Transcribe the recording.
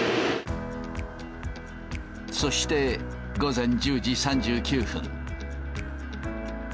そして午前１０時３９分。